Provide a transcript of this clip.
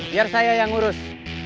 biar saya yang urus